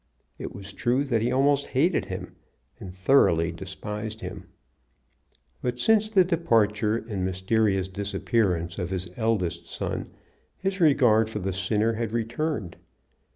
It was true that he almost hated him, and thoroughly despised him. But since the departure and mysterious disappearance of his eldest son his regard for the sinner had returned.